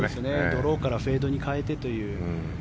ドローからフェードに変えてという。